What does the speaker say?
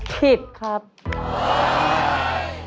ที่๒บลูดร็อกซึ่งเป็นคำตอบที่